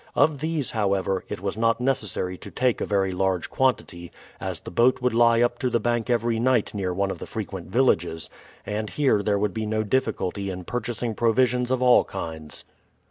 Of these, however, it was not necessary to take a very large quantity, as the boat would lie up to the bank every night near one of the frequent villages, and here there would be no difficulty in purchasing provisions of all kinds.